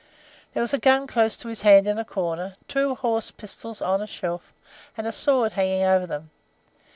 There was a gun close to his hand in a corner, two horse pistols on a shelf, and a sword hanging over them.